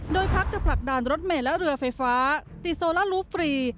โดยพักจะผลักดันรถเมย์และเรือไฟฟ้าติดโซล่าลูฟฟรี